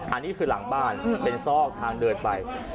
อันนี้คือหลังบ้านเป็นซอกทางเดินไป